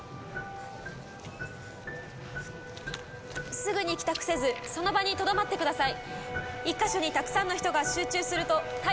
すぐに帰宅せずその場にとどまってください。